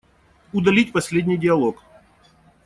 Удалить последний диалог.